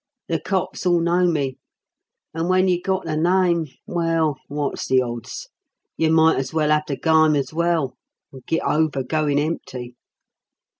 The cops 'ull know me; and when you've got the nime well, wot's the odds? You might as well 'ave the gime as well, and git over goin' empty.